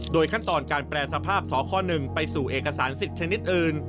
โดยขั้นตอนการแปลสภาพสอข้อหนึ่งไปสู่เอกสารสิทธิ์ชนิดอื่น